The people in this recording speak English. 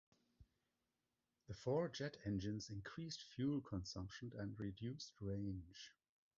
The four jet engines increased fuel consumption and reduced range.